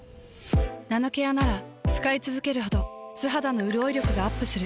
ナノケアなら使いつづけるほど素肌のうるおい力がアップする。